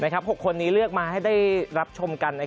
๖คนนี้เลือกมาให้ได้รับชมกัน